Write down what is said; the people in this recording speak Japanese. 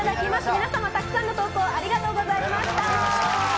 皆様、たくさんの投稿ありがとうございました。